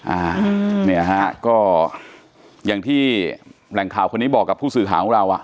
อ่าเนี่ยฮะก็อย่างที่แหล่งข่าวคนนี้บอกกับผู้สื่อข่าวของเราอ่ะ